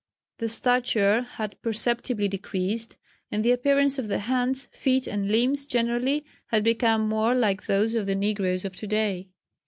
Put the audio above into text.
The stature had perceptibly decreased, and the appearance of the hands, feet and limbs generally had become more like those of the negroes of to day.